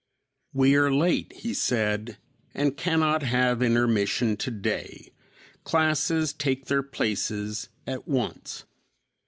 "We are late," he said, "and cannot have intermission today; classes take their places at once."